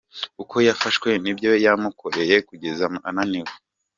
Uko yafashwe n’ibyo yamukoreye kugeza ananiwe:.